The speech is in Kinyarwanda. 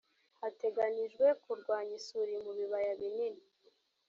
hateganyijwe kurwanya isuri mu bibaya binini